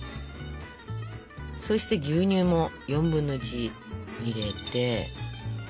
そして牛乳も４分の１入れて。